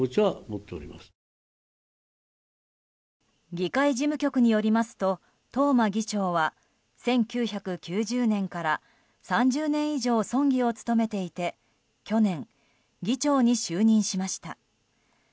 議会事務局によりますと東間議長は１９９０年から３０年以上、村議を務めていて去年、議長に就任しました。